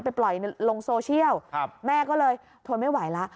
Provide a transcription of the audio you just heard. ไปปล่อยลงโซเชียลแม่ก็เลยทนไม่ไหวแล้ว